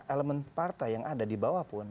elemen partai yang ada di bawah pun